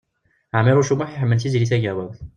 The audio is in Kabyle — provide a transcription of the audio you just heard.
Ɛmiṛuc U Muḥ iḥemmel Tiziri Tagawawt.